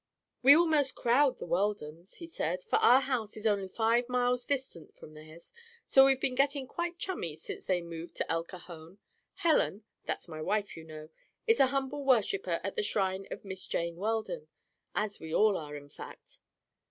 "We almost crowd the Weldons," he said, "for our house is only five miles distant from theirs; so we've been getting quite chummy since they moved to El Cajon. Helen—that's my wife, you know—is an humble worshiper at the shrine of Miss Jane Weldon, as we all are, in fact."